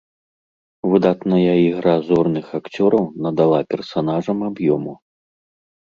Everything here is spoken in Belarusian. Выдатная ігра зорных акцёраў надала персанажам аб'ёму.